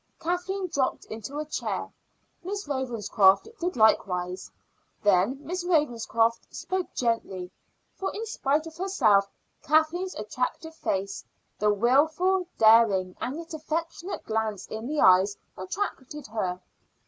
Kathleen dropped into a chair. Miss Ravenscroft did likewise. Then Miss Ravenscroft spoke gently, for in spite of herself Kathleen's attractive face, the wilful, daring, and yet affectionate glance in the eyes, attracted her.